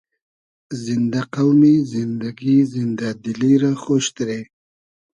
زیندۂ قۆمی ، زیندئگی ، زیندۂ دیلی رۂ خۉش دیرې